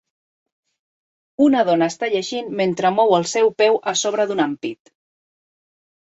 Una dona està llegint mentre mou el seu peu a sobre d"un ampit.